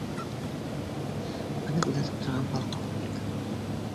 Быны күҙәтеп торған полковник: